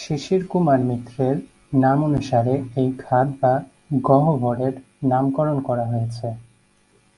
শিশির কুমার মিত্রের নামানুসারে এই খাদ বা গহ্বরের নামকরণ করা হয়েছে।